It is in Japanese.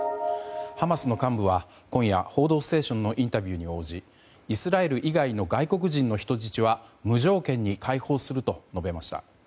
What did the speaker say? ハマスの幹部は今夜「報道ステーション」のインタビューに応じイスラエル以外の外国人の人質は無条件に解放すると述べました。